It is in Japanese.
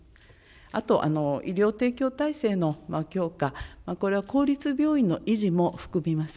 あと、医療提供体制の強化、これは公立病院の維持も含みます。